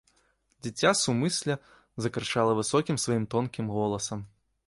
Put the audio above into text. Дзіця сумысля закрычала высокім сваім тонкім голасам.